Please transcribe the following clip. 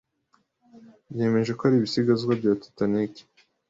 Yemeje ko ari ibisigazwa bya Titanic.